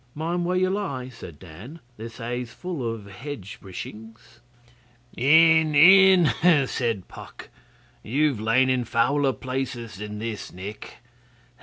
'Mind where you lie,' said Dan. 'This hay's full of hedge brishings. 'In! in!' said Puck. 'You've lain in fouler places than this, Nick.